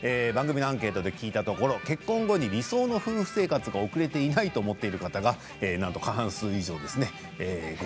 番組のアンケートで聞いたところ結婚後に理想の夫婦生活が送れていないと思っている方がなんと過半数以上ですね。